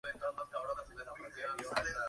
Ambos decidieron mantener su noviazgo en secreto.